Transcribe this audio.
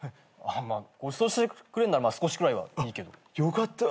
まあごちそうしてくれんなら少しくらいはいいけど。よかった。